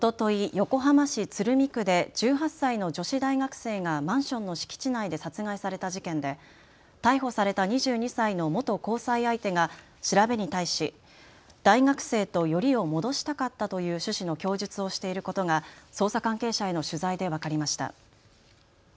横浜市鶴見区で１８歳の女子大学生がマンションの敷地内で殺害された事件で逮捕された２２歳の元交際相手が調べに対し大学生とよりを戻したかったという趣旨の供述をしていることが捜査関係者への取材で分かりました。